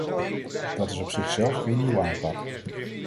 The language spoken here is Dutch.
Dat is op zichzelf geen nieuwe aanpak.